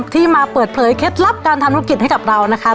ที่มาเปิดเผยเคล็ดลับการทำธุรกิจให้กับเรานะคะ